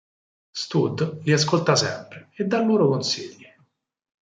Stud li ascolta sempre e dà loro consigli.